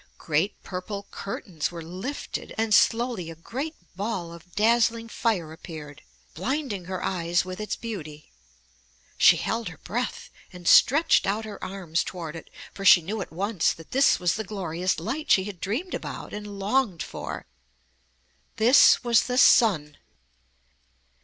Great purple curtains were lifted, and slowly a great ball of dazzling fire appeared, blinding her eyes with its beauty. She held her breath and stretched out her arms toward it, for she knew at once that this was the glorious light she had dreamed about and longed for. This was the sun.